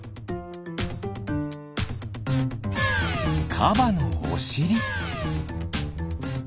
カバのおしり。